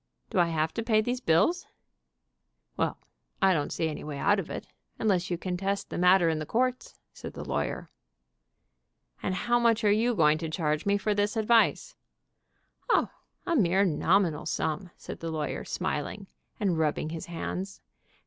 Do I have to pay these Bills?" 90 THE HEN IN POLITICS "Well, I don't see any way out of it, unless you contest the matter in the courts," said the lawyer. "And how much are you going to charge me for this advice?" "O, a mere nominal sum," said the lawyer, smiling, and rubbing his hands.